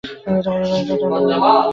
জীবনের এমন অখণ্ড, এমন দুর্লভ বন্ধুত্ব!